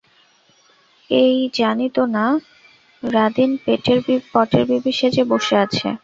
এই জানি-ত না, রাদিন পটের বিবি সেজে বসে আছে!